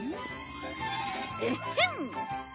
エッヘン。